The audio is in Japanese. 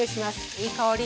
いい香り。